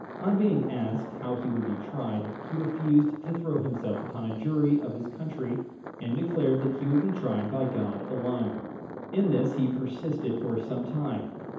On being asked how he would be tried, he refused to throw himself upon a jury of his country, and declared that he would be tried by God alone. In this he persisted for some time.